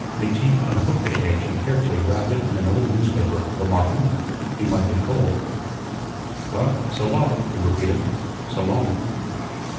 McTeague unhooked the cage and carefully wrapped it in an old newspaper, remarking, "He might get cold. Well, so long," he repeated, "so long."